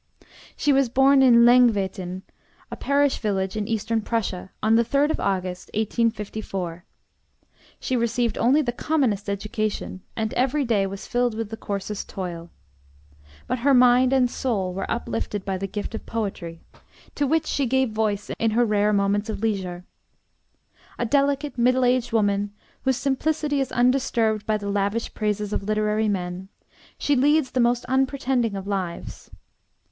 She was born in Lengwethen, a parish village in Eastern Prussia, on the 3d of August, 1854. She received only the commonest education, and every day was filled with the coarsest toil. But her mind and soul were uplifted by the gift of poetry, to which she gave voice in her rare moments of leisure. A delicate, middle aged woman, whose simplicity is undisturbed by the lavish praises of literary men, she leads the most unpretending of lives.